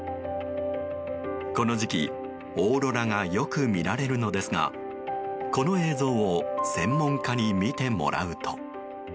この時期、オーロラがよく見られるのですがこの映像を専門家に見てもらうと。